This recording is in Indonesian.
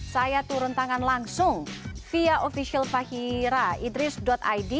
saya turun tangan langsung via official fahira idris id